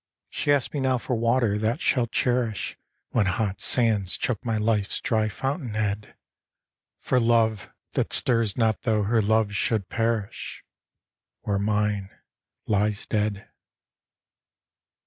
She asks me now for water that shall cherish, When hot sands choke my life's dry fountainhead: For love, that stirs not though her love should perish Where mine lies dead.